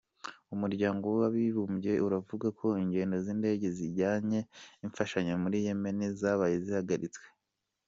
Umuryango w’abibumbye uravuga ko ingendo z’indege zijyanye imfashanyo muri Yemeni zabaye zihagaritswe.